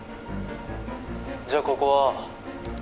じゃあここは？